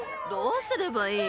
・どうすればいい？